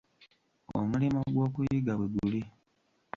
Omulimo gw'okuyiga bwe guli.